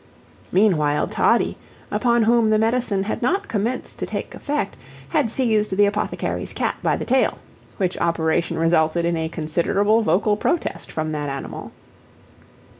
Meanwhile Toddie, upon whom the medicine had not commenced to take effect, had seized the apothecary's cat by the tail, which operation resulted in a considerable vocal protest from that animal.